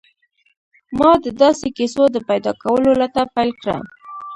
ما د داسې کيسو د پيدا کولو لټه پيل کړه.